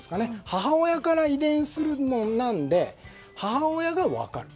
母親から遺伝するものなので母親が分かる。